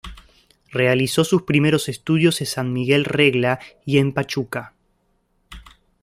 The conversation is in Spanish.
Realizó sus primeros estudios en San Miguel Regla y en Pachuca.